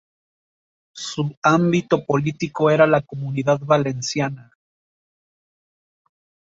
Su ámbito político era la Comunidad Valenciana.